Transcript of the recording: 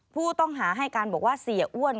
ผู้ต้องหาให้การบอกว่าเสียอ้วน